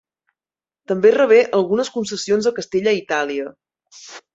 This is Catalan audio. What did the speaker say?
També rebé algunes concessions a Castella i Itàlia.